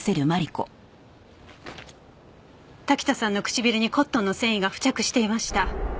滝田さんの唇にコットンの繊維が付着していました。